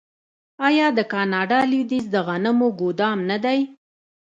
آیا د کاناډا لویدیځ د غنمو ګدام نه دی؟